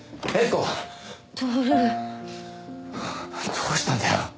どうしたんだよ？